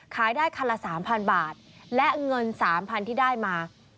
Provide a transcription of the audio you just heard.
ขายได้คันละ๓๐๐บาทและเงิน๓๐๐ที่ได้มา